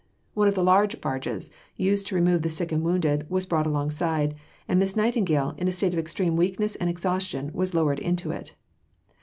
One of the large barges, used to remove the sick and wounded, was brought alongside, and Miss Nightingale, in a state of extreme weakness and exhaustion, was lowered into it.